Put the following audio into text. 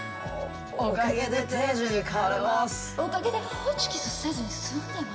おかげでホチキスせずに済んでます。